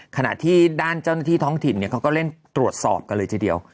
ขณะที่ด้านเจ้าหน้าที่ท้องถิ่นเขาก็เร่งตรวจสอบกันเลยทีเดียว